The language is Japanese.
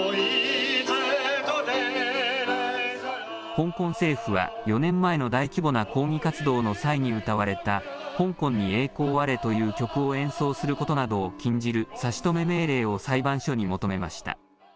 香港政府は、４年前の大規模な抗議活動の際に歌われた香港に栄光あれという曲を演奏することなどを禁じる差し止め命令を裁判所に求めました。